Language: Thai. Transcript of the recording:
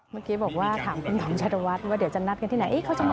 เมื่อกี้บอกว่าถามว่าคุณธอมชาวรรษว่าเดี๋ยวจะนัดไปไหน